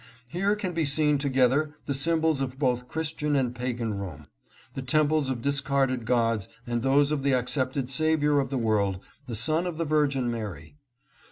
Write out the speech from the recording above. Here can be seen together the symbols of both Christian and pagan Rome ; the temples of discarded gods and those of the accepted Saviour of the world, the Son of the Virgin Mary.